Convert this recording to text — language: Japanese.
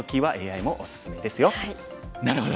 なるほど。